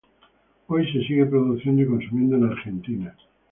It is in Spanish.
Hoy se sigue produciendo y consumiendo en Argentina.